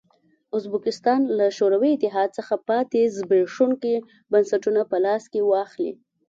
ازبکستان له شوروي اتحاد څخه پاتې زبېښونکي بنسټونه په لاس کې واخلي.